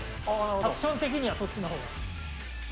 アクション的にはそっちのほうが。